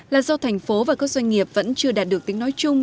là do thành phố và các doanh nghiệp vẫn chưa đạt được tính nói chung